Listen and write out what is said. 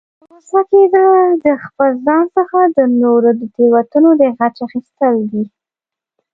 غوسه کیدل، د خپل ځان څخه د نورو د تیروتنو د غچ اخستل دي